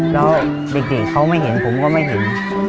แล้วเด็กเขาไม่เห็นผมก็ไม่เห็น